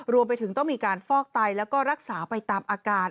รวมไปถึงต้องมีการฟอกไตแล้วก็รักษาไปตามอาการ